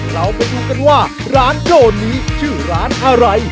เราไปดูกันว่าร้านโดนนี้ชื่อร้านอะไร